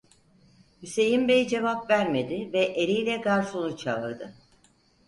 Hüseyin bey cevap vermedi ve eliyle garsonu çağırdı.